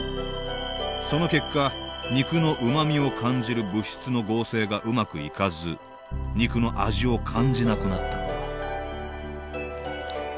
その結果肉のうまみを感じる物質の合成がうまくいかず肉の味を感じなくなったのだ